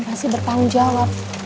pasti bertanggung jawab